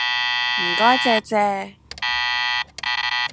唔該借借